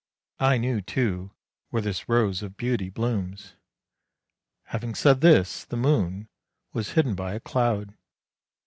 I knew, too, where this Rose of Beauty blooms! " Having said this the moon was hidden by a cloud.